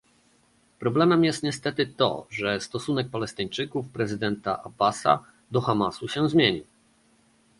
Problemem jest niestety to, że stosunek Palestyńczyków, prezydenta Abbasa do Hamasu się zmienił